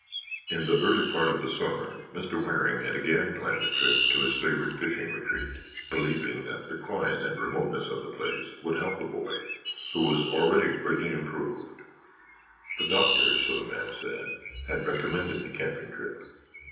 In the early part of the summer Mr. Waring had again planned a trip to his favorite fishing retreat, believing that the quiet and remoteness of the place would help the boy, who was already greatly improved. The doctors, so the man said, had recommended the camping trip.